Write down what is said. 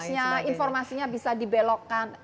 hoaxnya informasinya bisa dibelokkan